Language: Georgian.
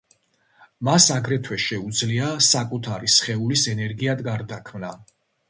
მას აგრეთვე შეუძლია საკუთარი სხეულის ენერგიად გარდაქმნა.